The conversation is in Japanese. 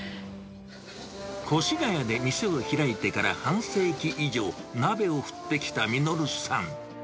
越谷で店を開いてから半世紀以上、鍋を振ってきた實さん。